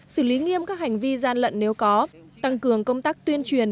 xử lý nghiêm các hành vi gian lận nếu có tăng cường công tác tuyên truyền